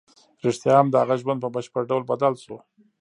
رښتیا هم د هغه ژوند په بشپړ ډول بدل شو